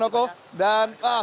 terima kasih pak noko dan